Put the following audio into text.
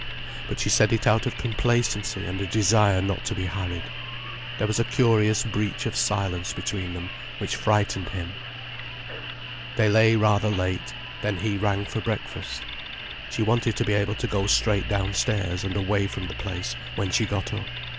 But she said it out of complacency and a desire not to be harried. There was a curious breach of silence between them, which frightened him. They lay rather late, then he rang for breakfast. She wanted to be able to go straight downstairs and away from the place, when she got up.